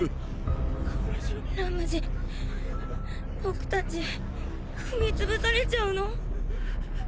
ラムジー僕たち踏み潰されちゃうの？